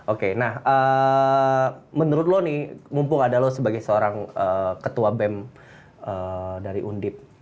oke nah menurut lo nih mumpung adalah sebagai seorang ketua bem dari undip